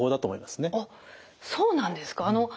あっそうなんですか。